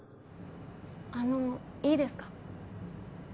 あのいいですか？